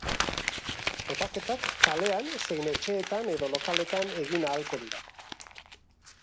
Topaketak kalean zein etxeetan edo lokaletan egin ahalko dira.